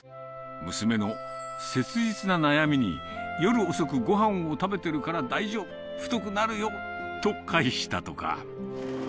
娘の切実な悩みに、夜遅くごはんを食べてるから大丈夫、太くなるよと返したとか。